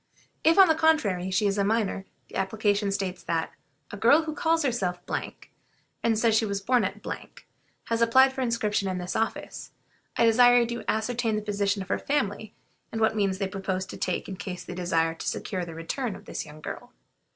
If, on the contrary, she is a minor, the application states that "a girl who calls herself , and says she was born at , has applied for inscription in this office. I desire you to ascertain the position of her family, and what means they propose to take in case they desire to secure the return of this young girl."